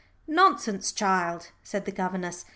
"Nonsense, child," said the governess.